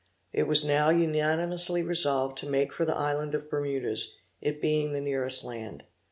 It was now unanimously resolved to make for the island of Bermudas, it being the nearest land.